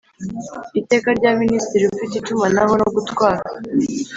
Iteka rya minisitiri ufite itumanaho no gutwara